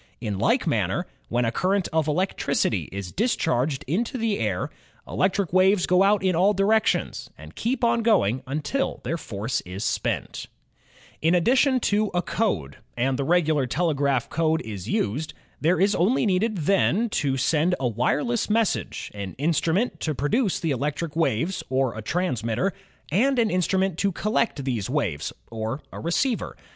In like manner, when a current of electricity is discharged into the air, electric waves go out in all directions and keep on going until their force is spent. In addition to a code — and the regular telegraph code is used — there is only needed, then, to send a wireless ^ WIRELESS OPEKATOR 264 OTHER FAMOUS INVENTORS OF TO DAY AT WELULEET, UASSACHUSETTS message, an instniinent to produce the electric waves, or a transmitter; and an instrument to collect these waves, or a receiver.